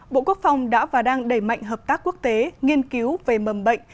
bộ quốc phòng đã và đang đẩy mạnh hợp tác quốc tế nghiên cứu về mầm bệnh